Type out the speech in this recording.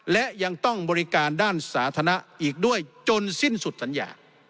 และยังต้องบริการด้านสาธารณะอีกด้วยจนสิ้นสุดสัญญา